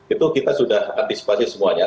itu kita sudah antisipasi semuanya